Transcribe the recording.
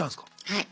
はい。